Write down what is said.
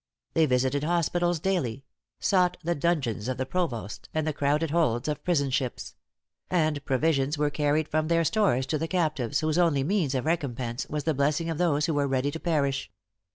They visited hospitals daily; sought the dungeons of the provost, and the crowded holds of prison ships; and provisions were carried from their stores to the captives whose only means of recompense was the blessing of those who were ready to perish.